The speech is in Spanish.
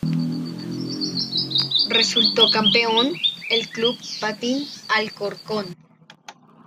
Resultó campeón el Club Patín Alcorcón.